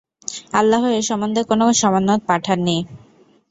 আল্লাহ এ সম্বন্ধে কোন সনদ পাঠাননি।